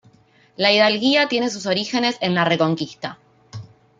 La hidalguía tiene sus orígenes en la Reconquista.